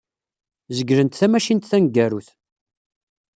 Zeglent tamacint taneggarut.